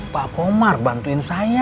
pak komar bantuin saya